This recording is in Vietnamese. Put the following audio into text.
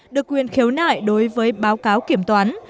được quyền khiếu nại đối với báo cáo kiểm toán